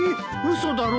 嘘だろ